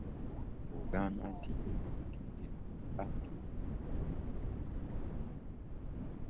Bw'ogamba nti yeepakiddemu bwepakizi, oba tolimbye.